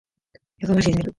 横浜市泉区